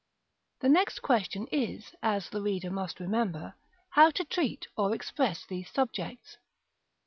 The next question is, as the reader must remember, how to treat or express these subjects.